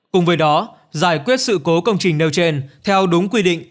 cùng với đó giải quyết sự cố công trình nêu trên theo đúng quy định